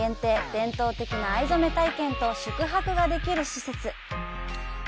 伝統的な藍染体験と宿泊ができる施設。